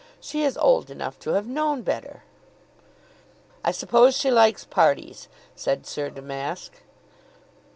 She is old enough to have known better." "I suppose she likes parties," said Sir Damask.